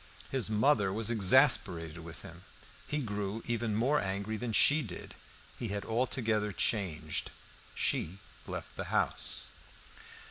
His mother was exasperated with him; he grew even more angry than she did. He had altogether changed. She left the house.